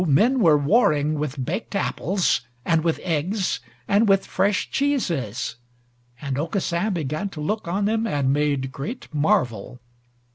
men were warring with baked apples, and with eggs, and with fresh cheeses, and Aucassin began to look on them, and made great marvel.